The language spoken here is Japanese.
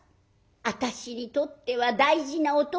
私にとっては大事なおと